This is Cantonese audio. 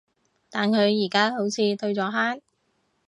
但佢而家好似退咗坑